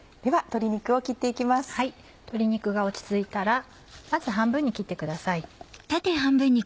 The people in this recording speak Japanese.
鶏肉が落ち着いたらまず半分に切ってください。